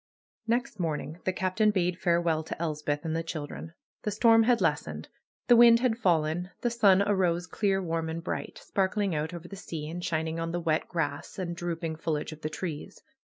Next morning the Captain bade farewell to Elspeth and the children. The storm had lessened. The wind had fallen. The sun arose clear, warm and bright; sparkling out over the sea, and shining on the wet THE KNELL OF NAT PAGAN 133 grass and drooping foliage of the trees.